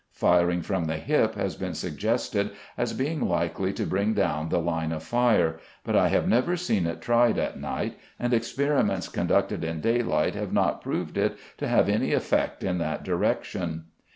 Firing from the hip has been suggested as being likely to bring down the line of fire, but I have never seen it tried at night, and experiments conducted in daylight have not proved it to have any effect in that direction.